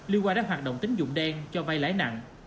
lưu quan đến hoạt động tính dụng đen cho vai lái nặng